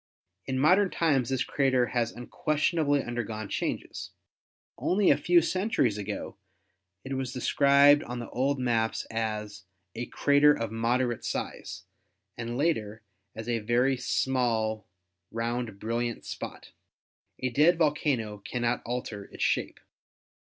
In modern times this crater has unquestionably undergone changes. Only a few centuries ago it was described on the old maps as "a crater of moderate size" and later as "a very small round brilliant spot." A dead volcano cannot alter its shape.